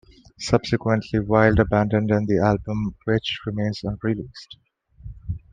Subsequently, Wilde abandoned the album which remains unreleased.